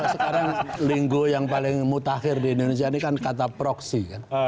sekarang linggo yang paling mutakhir di indonesia ini kan kata proksi kan